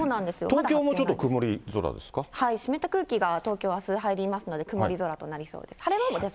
東京もちょっと曇り空ですか湿った空気が東京、あす入りますので、曇り空となりそうです。